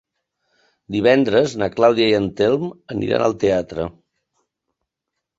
Divendres na Clàudia i en Telm aniran al teatre.